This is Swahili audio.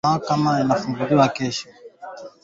Tumbukiza viazi vikavu ulivyovifunika kwenye maji